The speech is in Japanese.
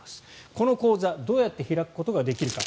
この口座どうやって開くことができるか。